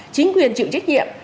chính quyền chịu trách nhiệm